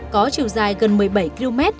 có chiều dài gần một mươi bảy km